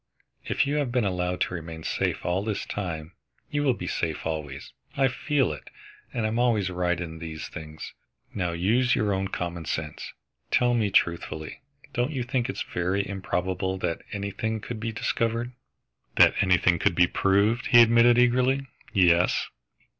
If you have been allowed to remain safe all this time, you will be safe always. I feel it, and I am always right in these things. Now use your own common sense. Tell me truthfully, don't you think it is very improbable that anything could be discovered?" "That anything could be proved," he admitted eagerly, "yes!"